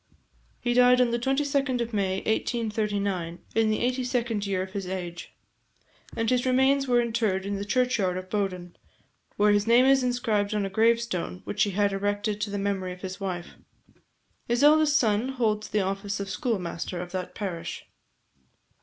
He died on the 22d of May 1839, in the eighty second year of his age; and his remains were interred in the churchyard of Bowden, where his name is inscribed on a gravestone which he had erected to the memory of his wife. His eldest son holds the office of schoolmaster of that parish.